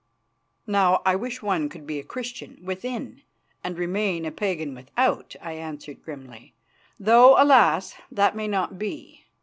"Now I wish one could be a Christian within and remain a pagan without," I answered grimly; "though alas! that may not be.